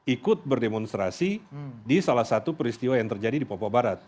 ikut berdemonstrasi di salah satu peristiwa yang terjadi di papua barat